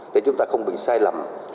để chúng ta không bị sai lầm